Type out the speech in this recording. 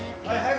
はい。